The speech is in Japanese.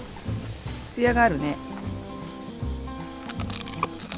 つやがあるね。